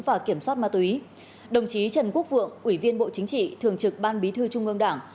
và kiểm soát ma túy đồng chí trần quốc vượng ủy viên bộ chính trị thường trực ban bí thư trung ương đảng